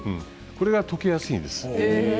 これが溶けやすいです。